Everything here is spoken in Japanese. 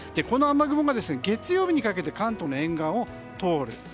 この雨雲が月曜日にかけて関東の沿岸を通る。